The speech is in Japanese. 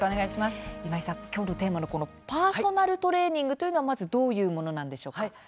今井さん、今日のテーマのこのパーソナルトレーニングとはどういうものなんでしょうか。